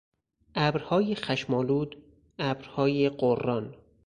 ابرهای خشمآلود، ابرهای غران